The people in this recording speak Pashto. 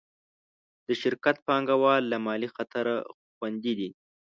د شرکت پانګهوال له مالي خطره خوندي دي.